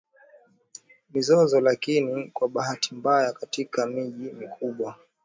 mizozo Lakini kwa bahati mbaya katika miji mikubwa